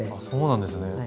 そうなんですね